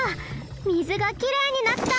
水がきれいになった！